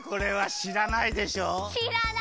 しらない。